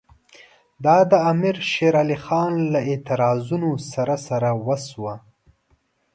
دا د امیر شېر علي خان له اعتراضونو سره سره وشوه.